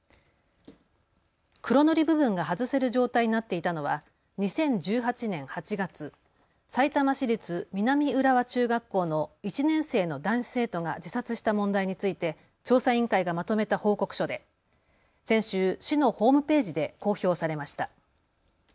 黒塗り部分が外せる状態になっていたのは２０１８年８月さいたま市立南浦和中学校の１年生の男子生徒が自殺した問題について調査委員会がまとめた報告書で先週、市のホームページで公表されました。